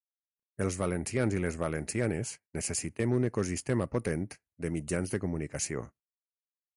Els valencians i les valencianes necessitem un ecosistema potent de mitjans de comunicació.